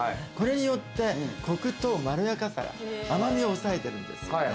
それによってコクとまろやかさが甘みを抑えてるんですよ。